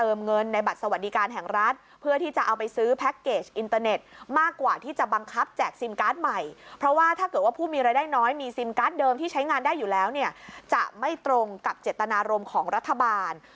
อินเทอร์ที่ใช้งานได้อยู่แล้วจะไม่ตรงกับเจตนารมณ์ของรัฐบาล